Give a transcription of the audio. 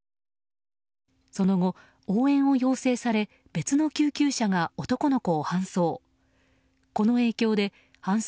その後、応援を要請され別の救急車が男の子を搬送。